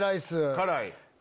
辛い？